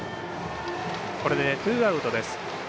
これでツーアウトです。